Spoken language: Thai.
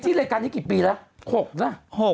อ่ะที่รายการนี้กี่ปีละ๖นะ